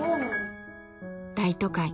大都会